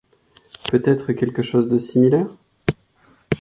Peut-être quelque chose de similaire ?